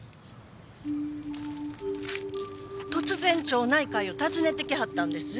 突然町内会を訪ねて来はったんです。